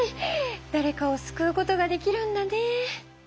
だれかをすくうことができるんだね。